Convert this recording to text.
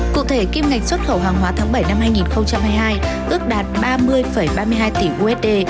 cụ thể kim ngạch xuất khẩu hàng hóa tháng bảy năm hai nghìn hai mươi hai ước đạt ba mươi ba mươi hai tỷ usd